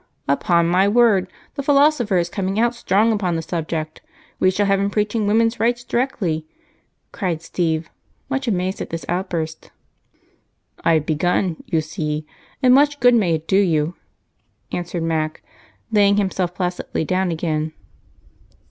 "Upon my word, the philosopher is coming out strong upon the subject! We shall have him preaching 'Women's Rights' directly," said Steve, much amazed at this outburst. "I've begun, you see, and much good may it do you," answered Mac, laying himself placidly down again.